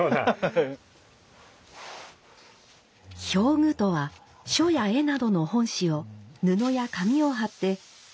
表具とは書や画などの本紙を布や紙を貼って掛